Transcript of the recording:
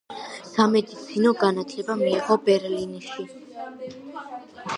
სამედიცინო განათლება მიიღო ბერლინში.